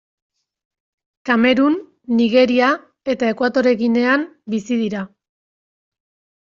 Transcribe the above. Kamerun, Nigeria eta Ekuatore Ginean bizi dira.